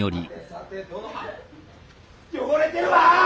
汚れてるわ。